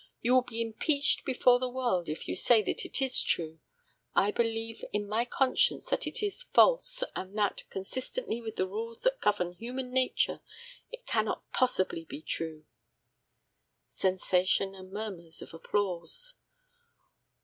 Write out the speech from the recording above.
You will be impeached before the world if you say that it is true. I believe in my conscience that it is false, and that, consistently with the rules that govern human nature, it cannot possibly be true. [Sensation and murmurs of applause.